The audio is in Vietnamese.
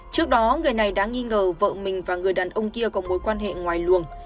trước đó người này đã nghi ngờ vợ mình và người đàn ông kia có mối quan hệ ngoài luồng